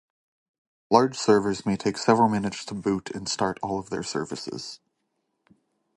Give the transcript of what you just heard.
Large servers may take several minutes to boot and start all their services.